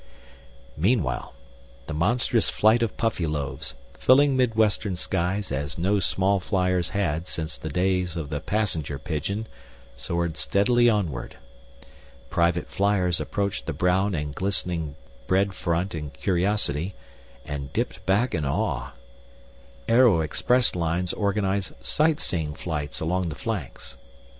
Meanwhile, the monstrous flight of Puffyloaves, filling midwestern skies as no small fliers had since the days of the passenger pigeon, soared steadily onward. Private fliers approached the brown and glistening bread front in curiosity and dipped back in awe. Aero expresslines organized sightseeing flights along the flanks.